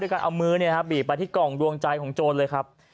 ด้วยการเอามือเนี่ยครับบีบไปที่กล่องดวงใจของโจรเลยครับ